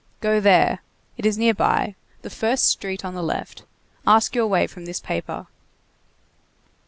Go there. It is nearby. The first street on the left. Ask your way from this paper."